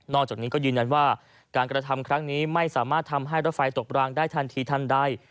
จากนี้ก็ยืนยันว่าการกระทำครั้งนี้ไม่สามารถทำให้รถไฟตกรางได้ทันทีทันใด